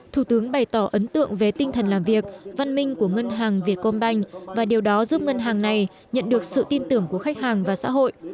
thủ tướng bày tỏ ấn tượng về tinh thần làm việc văn minh của ngân hàng việt công banh và điều đó giúp ngân hàng này nhận được sự tin tưởng của khách hàng và xã hội